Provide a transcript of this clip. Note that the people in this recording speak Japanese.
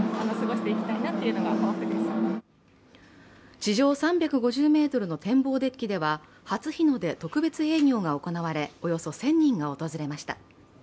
地上３５０ｍの天望デッキでは、初日の出特別営業が行われおよそ１０００人が訪れました。